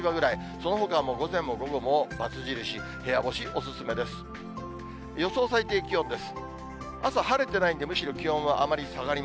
そのほかは午前も午後も×印、部屋干しお勧めです。